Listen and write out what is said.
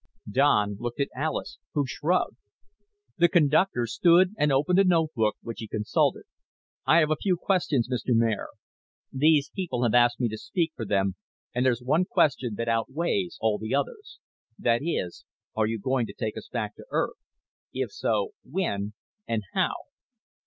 Don looked at Alis, who shrugged. The conductor stood and opened a notebook which he consulted. "I have a few questions, Mr. Mayor. These people have asked me to speak for them and there's one question that outweighs all the others. That is are you going to take us back to Earth? If so, when? And how?"